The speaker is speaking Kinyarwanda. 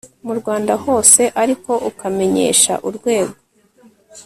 mu rwanda hose ariko ukamenyesha urwego